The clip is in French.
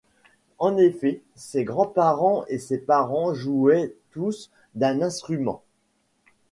En effet, ses grands-parents et ses parents jouaient tous d’un instrument.